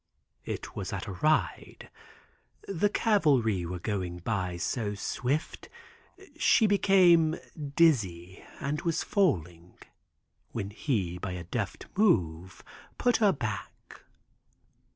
"It was at a ride. The cavalry were going by so swift she became dizzy and was falling, when he by a deft move put her back.